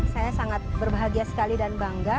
saya sangat berbahagia sekali dan bangga